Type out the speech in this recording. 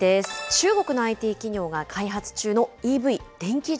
中国のＩＴ企業が開発中のＥＶ・